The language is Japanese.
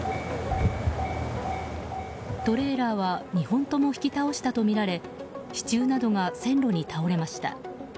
トレーラーは２本とも引き倒したとみられ支柱などが線路に倒れました。